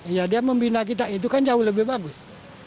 ya dia membina kita itu kan jauh lebih bagus